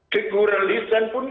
teguran lisan pun